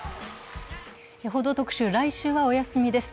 「報道特集」、来週はお休みです。